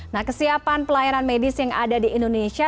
nah kesiapan pelayanan medis yang ada di indonesia